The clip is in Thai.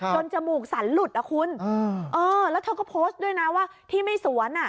จนจมูกสั่นหลุดแล้วเธอก็โพสต์ด้วยนะว่าที่ไม่สวน